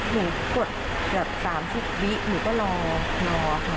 หนูกดแบบ๓๐วินาทีหนูก็รอรอค่ะ